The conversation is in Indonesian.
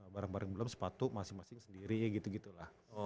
barang barang belum sepatu masing masing sendiri gitu gitu lah